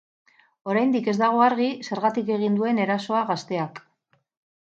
Oraindik ez dago argi zergatik egin duen erasoa gazteak.